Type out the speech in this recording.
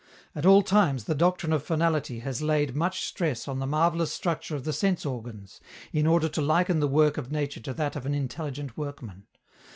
At all times the doctrine of finality has laid much stress on the marvellous structure of the sense organs, in order to liken the work of nature to that of an intelligent workman.